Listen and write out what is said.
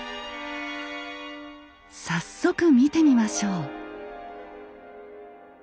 早速見てみましょう。